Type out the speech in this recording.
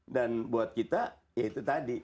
dan buat kita ya itu tadi